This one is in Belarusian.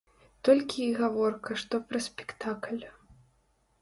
Толькі й гаворка што пра спектакль.